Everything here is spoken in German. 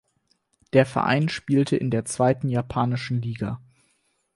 Der Verein spielte in der zweiten japanischen Liga.